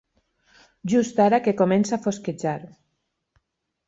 Just ara que comença a fosquejar.